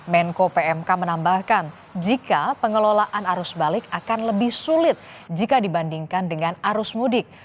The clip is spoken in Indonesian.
menko pmk menambahkan jika pengelolaan arus balik akan lebih sulit jika dibandingkan dengan arus mudik